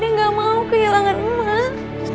dia gak mau kehilangan emas